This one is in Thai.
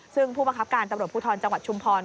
ซึ่งผู้บังคับการตำรวจภูทรจังหวัดชุมพร